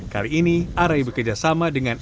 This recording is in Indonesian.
kali ini r a bekerjasama dengan